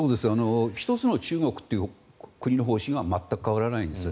一つの中国という国の方針は全く変わらないんです。